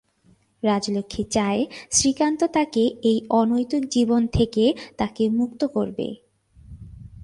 রাজলক্ষ্মী চায় শ্রীকান্ত তাকে এই অনৈতিক জীবন থেকে তাকে মুক্ত করবে।